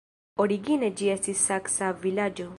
Origine ĝi estis saksa vilaĝo.